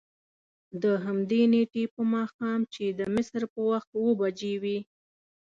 د همدې نېټې په ماښام چې د مصر په وخت اوه بجې وې.